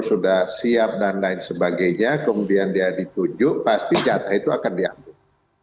sudah siap dan lain sebagainya kemudian dia ditunjuk pasti jatah itu akan diambil